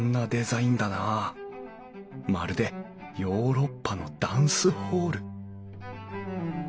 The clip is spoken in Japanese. まるでヨーロッパのダンスホール！